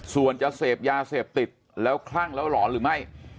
ส่วนจะเสพยาเสพติดแล้วคลั่งแล้วหลอนหรือไม่